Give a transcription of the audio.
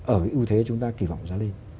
ở ưu thế chúng ta kỳ vọng giá lên